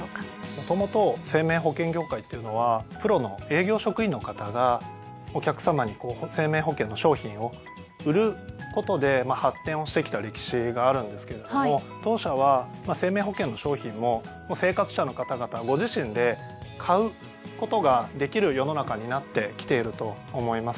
もともと生命保険業界っていうのはプロの営業職員の方がお客さまに生命保険の商品を売ることで発展をしてきた歴史があるんですけれども当社は生命保険の商品を生活者の方々ご自身で買うことができる世の中になってきていると思います。